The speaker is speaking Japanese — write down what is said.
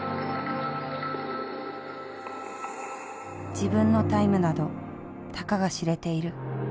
自分のタイムなどたかが知れている。